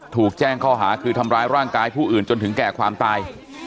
ถูกแจ้งข้อหาคือทำร้ายร่างกายผู้อื่นจนถึงแก่ความตาย